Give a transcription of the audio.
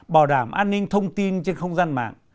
bảo đảm an ninh thông tin trên không gian mạng